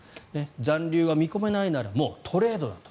残留が見込めないならもうトレードだと。